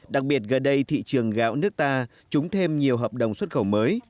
đặc biệt gần đây thị trường gạo nước ta trúng thêm nhiều hợp đồng xuất khẩu mới